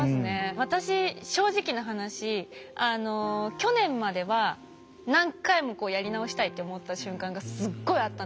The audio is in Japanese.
私正直な話あの去年までは何回もこうやり直したいって思った瞬間がすっごいあったんですよ。